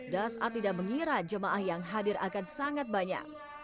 dasat ⁇ tidak mengira jemaah yang hadir akan sangat banyak